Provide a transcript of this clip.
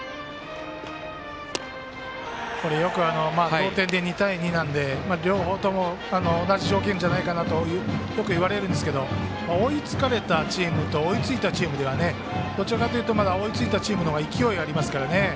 よく同点で２対２なので両方とも、同じ条件じゃないかなとよく言われるんですが追いつかれたチームと追いついたチームではどちらかというと追いついたチームの方が勢いありますからね。